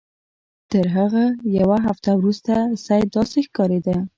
تر هغه یوه هفته وروسته سید داسې ښکارېده.